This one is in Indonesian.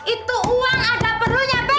itu uang ada perlunya